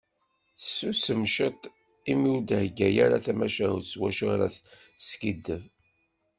Tessusem ciṭ imi ur d-thegga ara tamacahut s wacu ara teskiddeb.